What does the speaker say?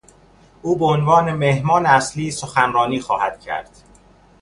او به عنوان مهمان اصلی سخنرانی خواهد کرد.